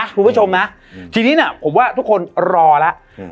คุณผู้ชมนะทีนี้น่ะผมว่าทุกคนรอแล้วอืม